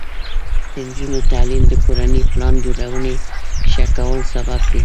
د نجونو تعلیم د کورنۍ پلان جوړونې ښه کولو سبب دی.